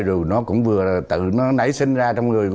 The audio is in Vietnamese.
rồi nó cũng vừa nảy sinh ra trong người